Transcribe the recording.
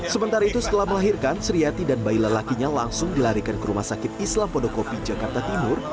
sementara itu setelah melahirkan sri yati dan bayi lelakinya langsung dilarikan ke rumah sakit islam pondokopi jakarta timur